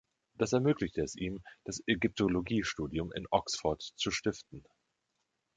Das ermöglichte es ihm, das Ägyptologiestudium in Oxford zu stiften.